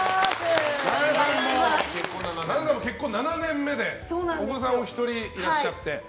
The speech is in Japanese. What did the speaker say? ＮＡＮＡさんも結婚７年目でお子さんお一人いらっしゃって。